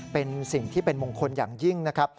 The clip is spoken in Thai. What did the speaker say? เป็นสิ่งที่เป็นมงคลอย่างยิ่งนะครับ